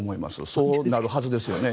そうなるはずですよね。